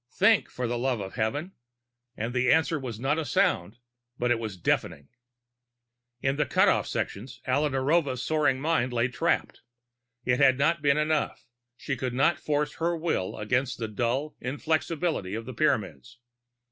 Think, for the love of heaven, think!" And the answer was not in sound, but it was deafening. In the cut off sections, Alla Narova's soaring mind lay trapped. It had not been enough; she could not force her will against the dull inflexibility of the Pyramids....